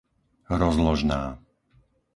Rozložná